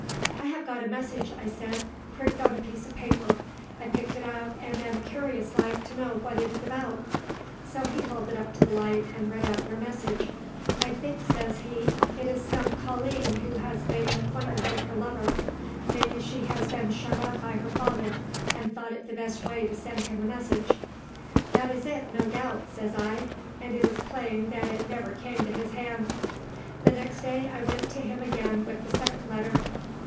"'I have got a message,' I said, 'pricked on a piece of paper. I picked it up, and am curious like to know what it is about.' "So he held it up to the light, and read out your message. "'I think,' says he, 'it is some colleen who has made an appointment with her lover. Maybe she has been shut up by her father, and thought it the best way to send him a message.' "'That is it, no doubt,' says I; 'and it is plain that it never came to his hand.' "The next day, I went to him again with the second letter.